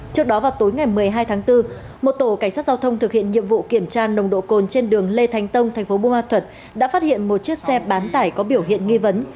trước đó vào tối ngày một mươi hai tháng bốn một tổ cảnh sát giao thông thực hiện nhiệm vụ kiểm tra nồng độ cồn trên đường lê thánh tông thành phố bùa thuật đã phát hiện một chiếc xe bán tải có biểu hiện nghi vấn